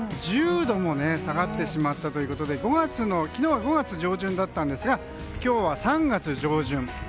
１０度も下がってしまったということで昨日は５月上旬だったんですが今日は３月上旬。